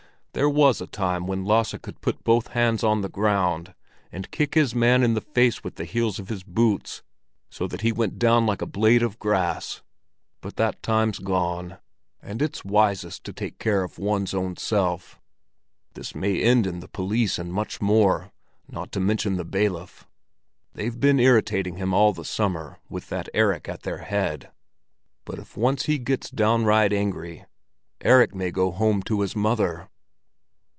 There was a time when Lasse could put both hands on the ground and kick his man in the face with the heels of his boots so that he went down like a blade of grass; but that time's gone, and it's wisest to take care of one's self. This may end in the police and much more, not to mention the bailiff. They've been irritating him all the summer with that Erik at their head; but if once he gets downright angry, Erik may go home to his mother."